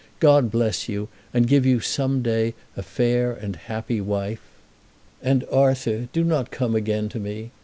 "God bless you, and give you some day a fair and happy wife. And, Arthur, do not come again to me.